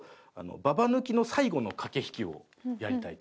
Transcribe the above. ババ抜きの最後の駆け引きをやりたいと。